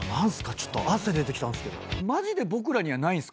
ちょっと汗出てきたんすけど。